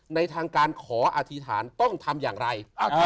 ในทางการขออธิษฐานต้องทำอย่างไร